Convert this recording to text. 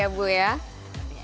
harus gini supaya hasilnya